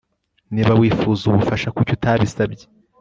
Niba wifuzaga ubufasha kuki utabisabye